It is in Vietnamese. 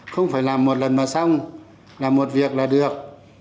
không phải làm một lần mà xong là một việc là được